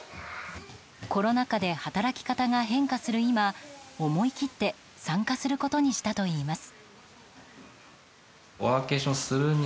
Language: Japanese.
コロナ禍で働き方が変化する今思い切って参加することにしたといいます。